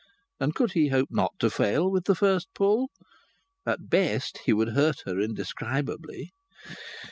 And could he hope not to fail with the first pull? At best he would hurt her indescribably.